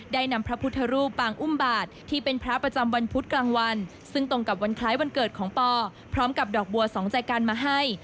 นำพระพุทธรูปปางอุ้มบาทที่เป็นพระประจำวันพุธกลางวันซึ่งตรงกับวันคล้ายวันเกิดของปอพร้อมกับดอกบัวสองใจกันมาให้